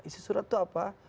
isi surat itu apa